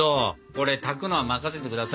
これ炊くのは任せてください。